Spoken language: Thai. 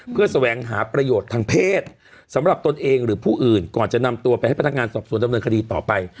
เพื่อแสวงหาประโยชน์ทางเพศสำหรับตนเองหรือผู้อื่นก่อนจะนำตัวไปให้พนักงานสอบสวนดำเนินคดีต่อไป